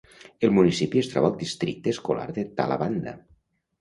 El municipi es troba al districte escolar de Talawanda.